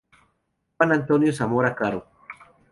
Juan Antonio Zamora Caro.